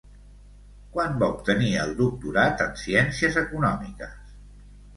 Quan va obtenir el Doctorat en Ciències Econòmiques?